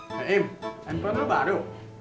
heim empornya baru